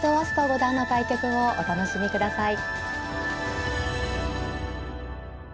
五段の対局をお楽しみください。